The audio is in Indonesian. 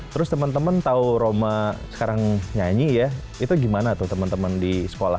terus temen temen tau roma sekarang nyanyi ya itu gimana tuh temen temen di sekolah